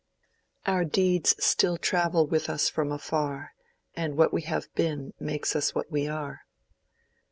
"Our deeds still travel with us from afar, And what we have been makes us what we are."